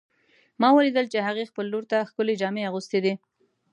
ما ولیدل چې هغې خپل لور ته ښکلې جامې اغوستې دي